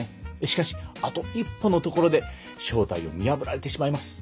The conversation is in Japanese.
しかしあと一歩のところで正体を見破られてしまいます。